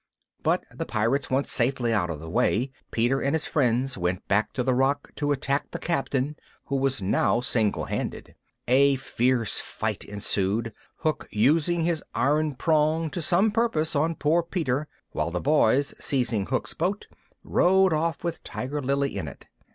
But the Pirates once safely out of the way, Peter and his friends went back to the rock to attack the Captain, who was now single handed. A fierce fight ensued, Hook using his iron prong to some purpose on poor Peter, while the boys, seizing Hook's boat, rowed off with Tiger Lily in it.